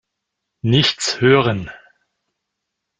Nichts hören!